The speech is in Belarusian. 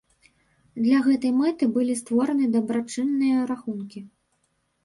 Для гэтай мэты былі створаны дабрачынныя рахункі.